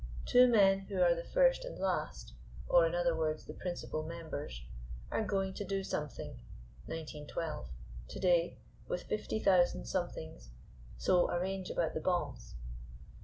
Two men, who are the first and last, or, in other words, the principal members, are going to do something (Nineteen twelve) to day with fifty thousand somethings, so arrange about the bombs.